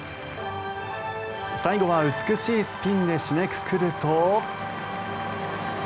最後は美しいスピンで締めくくると。